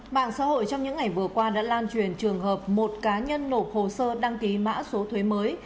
mạng xã hội trong những ngày vừa qua đã lan truyền trường hợp một cá nhân nộp hồ sơ đăng ký mã số thuế mới